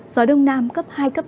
gió đông nam cấp hai cấp ba